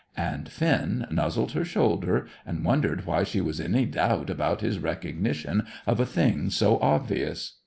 And Finn nuzzled her shoulder and wondered why she was in any doubt about his recognition of a thing so obvious.